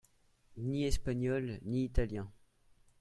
Ni espagnol, ni italien.